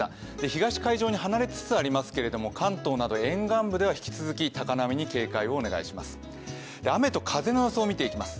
東海上に離れつつありますけれども、関東など、沿岸部では引き続き高波に警戒をお願いします。